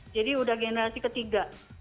jadi sudah generasi ketiga